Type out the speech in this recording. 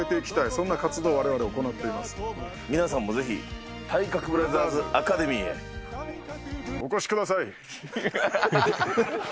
そんな活動をわれわれ行っていま皆さんもぜひ、体格ブラザーズアカデミーへ、お越しください。